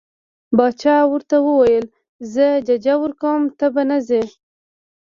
باچا ورته وویل زه ججه ورکوم ته به نه ځې.